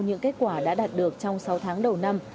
những kết quả đã đạt được trong sáu tháng đầu năm